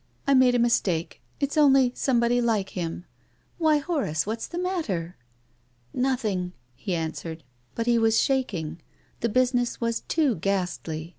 T made a mistake. It's only somebody like hini. Why, Horace, what's the matter?" ■^ Nothing," he answered. '364 TONGUES OK CONSCIENCE. But he was shaking. The business was too ghastly.